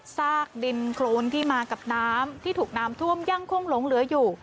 ซากดินโครนที่มากับน้ำที่ถูกน้ำท่วมยังคงหลงเหลืออยู่